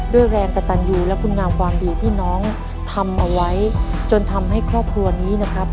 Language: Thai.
แรงกระตันยูและคุณงามความดีที่น้องทำเอาไว้จนทำให้ครอบครัวนี้นะครับ